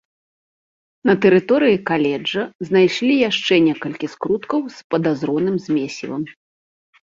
На тэрыторыі каледжа знайшлі яшчэ некалькі скруткаў з падазроным змесцівам.